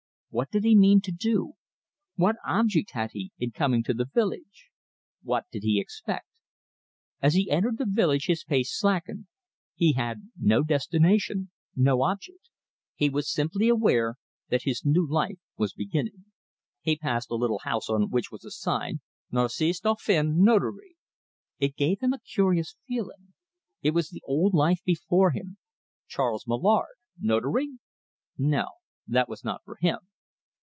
What did he mean to do? What object had he in coming to the village? What did he expect? As he entered the village his pace slackened. He had no destination, no object. He was simply aware that his new life was beginning. He passed a little house on which was a sign, "Narcisse Dauphin, Notary." It gave him a curious feeling. It was the old life before him. "Charles Mallard, Notary?" No, that was not for him.